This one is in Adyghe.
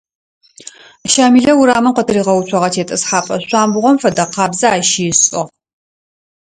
Щамилэ урамым къытыригъэуцогъэ тетӀысхьапӀэ шъуамбгъом фэдэкъабзэ ащи ышӀыгъ.